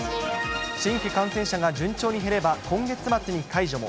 新規感染者が順調に減れば今月末に解除も。